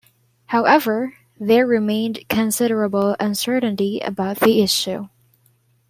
However, there remained considerable uncertainty about the issue.